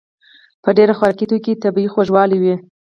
په ډېر خوراکي توکو کې طبیعي خوږوالی وي.